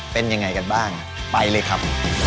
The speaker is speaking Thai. เป็นยังไงกันบ้างไปเลยครับ